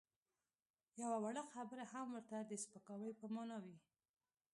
یوه وړه خبره هم ورته د سپکاوي په مانا وي.